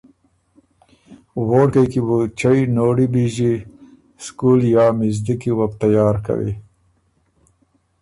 ووړکئ کی بو چئ نوړی بیݫی، سکول یا مِزدِک کی وه بُو تیار کوی۔